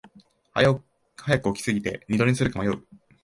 早く起きすぎて二度寝するか迷う